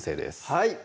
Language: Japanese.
はい